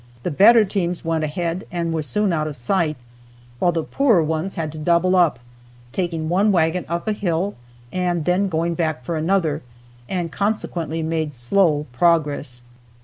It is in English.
The better teams went ahead and were soon out of sight, while the poorer ones had to double up, taking one wagon up a hill and then going back for another, and consequently made slow progress.